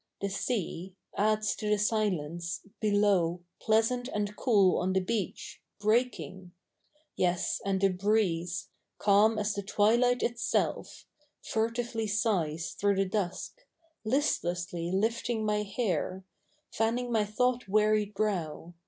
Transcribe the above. The sea Adds to the silence, below Pleasant and cool on the beach Breaking ; yes, and a bi'eeze Calm as the twilight itself Furtively sighs through the dusk. Listlessly lifting niy hair. Fanning my thonght wearied brow.